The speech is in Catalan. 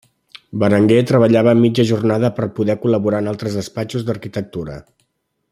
Berenguer treballava mitja jornada per poder col·laborar en altres despatxos d'arquitectura.